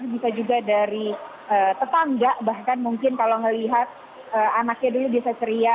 bisa juga dari tetangga bahkan mungkin kalau melihat anaknya dulu bisa ceria